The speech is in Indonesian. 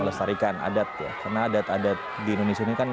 karena adat adat di indonesia ini kan